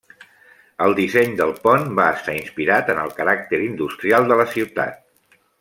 El disseny del pont va estar inspirat en el caràcter industrial de la ciutat.